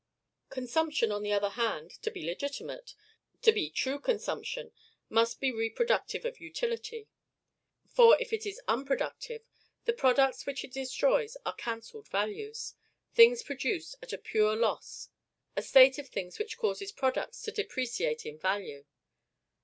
Consumption, on the other hand, to be legitimate, to be true consumption, must be reproductive of utility; for, if it is unproductive, the products which it destroys are cancelled values things produced at a pure loss; a state of things which causes products to depreciate in value.